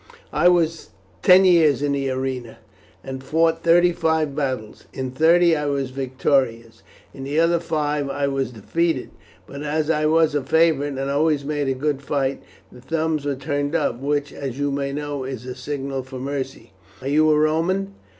"I was ten years in the arena, and fought thirty five battles. In thirty I was victorious, in the other five I was defeated; but as I was a favourite, and always made a good fight, the thumbs were turned up, which, as you may know, is the signal for mercy." "Are you a Roman?"